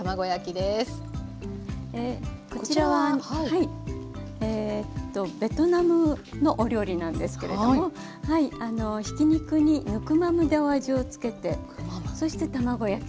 こちらはベトナムのお料理なんですけれどもひき肉にヌクマムでお味をつけてそして卵焼きにしてるんですね。